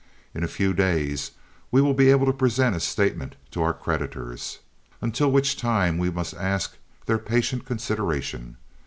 In a few days we will be able to present a statement to our creditors. Until which time we must ask their patient consideration.